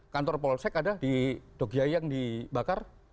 kantor polsek ada di dogiayang dibakar